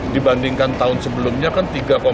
dibandingkan tahun sebelumnya kan tiga satu